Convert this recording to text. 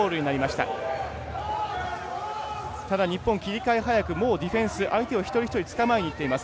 ただ日本切り替え早くもうディフェンス相手を一人一人つかまえにいっています。